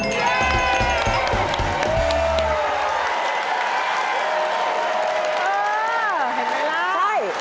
เห็นไหมล่ะ